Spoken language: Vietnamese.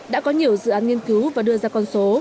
đã có nhiều dự án nghiên cứu và đưa ra con số